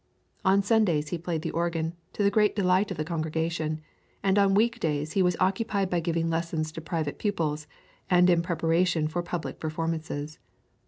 On Sundays he played the organ, to the great delight of the congregation, and on week days he was occupied by giving lessons to private pupils, and in preparation for public performances.